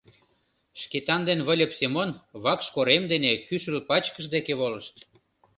Шкетан ден Выльып Семон вакш корем дене кӱшыл пачкыш деке волышт.